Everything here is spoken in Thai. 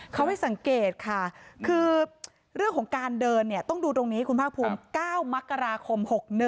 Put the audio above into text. เขาให้สังเกตค่ะคือเรื่องของการเดินเนี่ยต้องดูตรงนี้คุณภาคภูมิ๙มกราคม๖๑